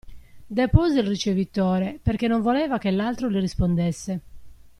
Depose il ricevitore, perché non voleva che l'altro gli rispondesse.